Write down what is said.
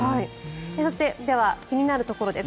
では、気になるところです。